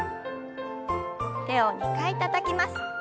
手を２回たたきます。